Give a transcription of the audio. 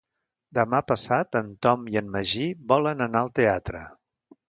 Demà passat en Tom i en Magí volen anar al teatre.